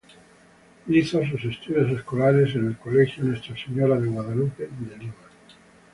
Hizo sus estudios escolares en el Colegio Nuestra Señora de Guadalupe de Lima.